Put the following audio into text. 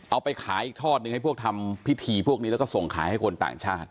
เอาไปขายอีกทอดหนึ่งให้พวกทำพิธีพวกนี้แล้วก็ส่งขายให้คนต่างชาติ